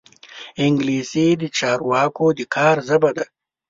انګلیسي د چارواکو د کار ژبه ده